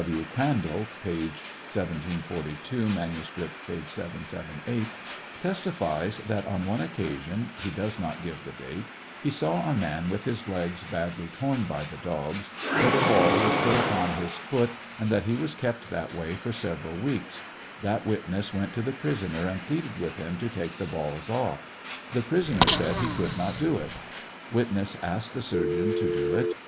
W. W. Orandall (p. 1742 ; manuscript, p. 778) testifies that on one occasion (he does not give the date) he saw a man with his legs badly torn by the dogs ; that a ball was put upon his foot, and that he waa kept that way for several weeks ; that witness went to the prisoner and pleaded with him to lake the balls off. The prisoner said he could not do it. Witness asked the surgeon to do it.